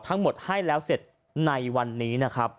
ทั้งหมดให้เสร็จในวันนี้